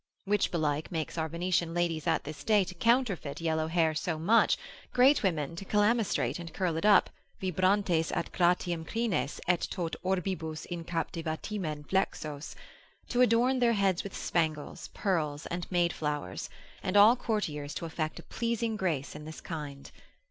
Which belike makes our Venetian ladies at this day to counterfeit yellow hair so much, great women to calamistrate and curl it up, vibrantes ad gratiam crines, et tot orbibus in captivitatem flexos, to adorn their heads with spangles, pearls, and made flowers; and all courtiers to effect a pleasing grace in this kind.